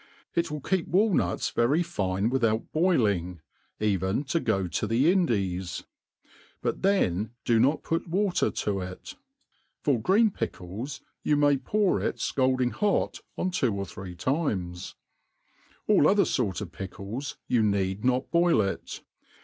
It will keep walnuts very fine without boiling, even to go to the Indies ; but then do not put water to it. For green pickles, you may pour it fcaldfng hot on two or three times. AH other fort of pickles you need not boil it.